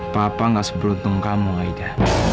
papa gak seberuntung kamu aja